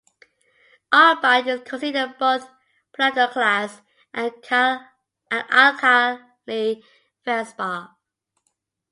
Albite is considered both a plagioclase and alkali feldspar.